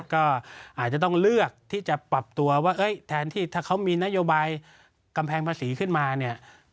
ก็อาจจะต้องเลือกที่จะปรับตัวว่าแทนที่ถ้าเขามีนโยบายกำแพงภาษีขึ้นมาเนี่ย